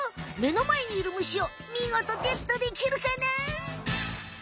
目の前にいるむしをみごとゲットできるかな？